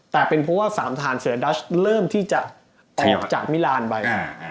แต่เป็นเพราะว่าสามท่านเสือดัชเริ่มที่จะออกจากมิรานด์ไป